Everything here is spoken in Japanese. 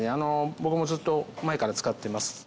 僕もずっと前から使ってます。